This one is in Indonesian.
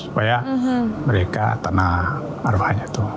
supaya mereka tenang arwahnya itu